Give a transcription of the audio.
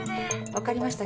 分かりました。